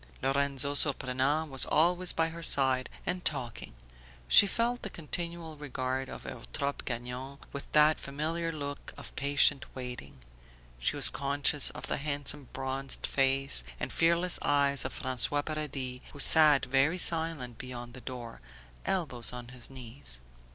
Lorenzo Surprenant was always by her side and talking; she felt the continual regard of Eutrope Gagnon with that familiar look of patient waiting; she was conscious of the handsome bronzed face and fearless eyes of François Paradis who sat very silent beyond the door, elbows on his knees.